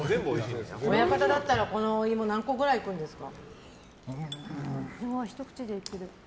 親方だったらこのお芋何個ぐらいいくんですか。